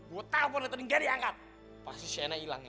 gue tahu kau dateng gak diangkat pasti shaina ilangnya